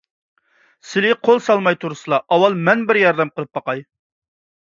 سىلى قول سالماي تۇرسىلا، ئاۋۋال مەن بىر ياردەم قىلىپ باقاي.